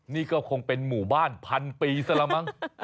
นี่ก็คงเป็นหมู่บ้านพันปีซะละมั้ง